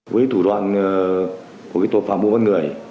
với thủ đoạn của tội phạm mua bán người